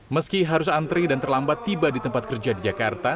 meski harus antri dan terlambat tiba di tempat kerja di jakarta